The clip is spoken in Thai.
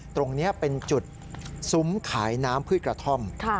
ตรงนี้เป็นจุดซุ้มขายน้ำพืชกระท่อม